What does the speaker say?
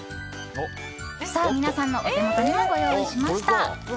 皆さんのお手元にもご用意しました。